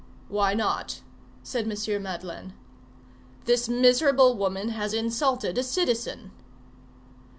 "Why not?" said M. Madeleine. "This miserable woman has insulted a citizen."